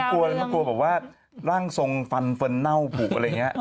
คนก็ไปวาดได้ดอกไม้